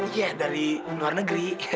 ya dari luar negeri